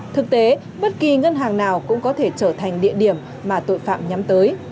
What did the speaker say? thực tế bất kỳ ngân hàng nào cũng có thể trở thành địa điểm mà tội phạm nhắm tới